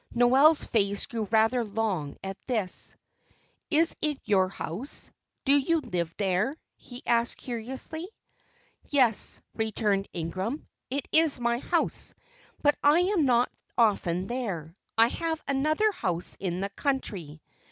Noel's face grew rather long at this. "Is it your house? Do you live there?" he asked, curiously. "Yes," returned Ingram, "It is my house, but I am not often there. I have another house in the country."